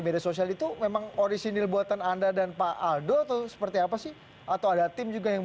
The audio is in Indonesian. media sosial itu memang orisinil buatan anda dan pak aldo atau seperti apa sih atau ada tim juga yang